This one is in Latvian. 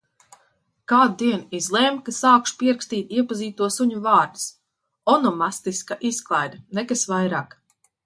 Kādu dienu izlēmu, ka sākšu pierakstīt iepazīto suņu vārdus. Onomastiska izklaide, nekas vairāk.